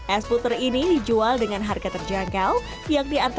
es puter ini dijual dengan harga terjangkau